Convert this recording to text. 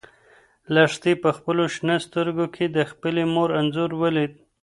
لښتې په خپلو شنه سترګو کې د خپلې مور انځور ولید.